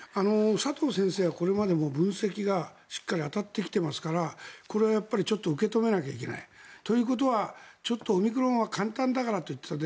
佐藤先生はこれまでも分析がしっかり当たってきていますからこれはちょっと受け止めなきゃいけない。ということはちょっとオミクロンは簡単だからといっていた。